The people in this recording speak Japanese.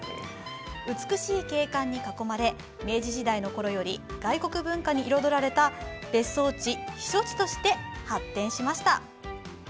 美しい景観に囲まれ明治時代のころより外国文化に彩られた別荘地、避暑地として発展しました。